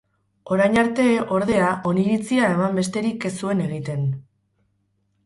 Orain arte, ordea, oniritzia eman besterik ez zuen egiten.